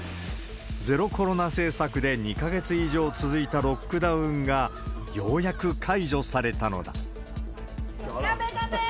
ゼロコロナ政策で２か月以上続いたロックダウンが、ようやく解除されたのだ。